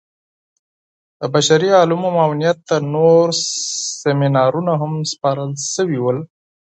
د بشري علومو معاونيت ته نور سيمينارونه هم سپارل سوي ول.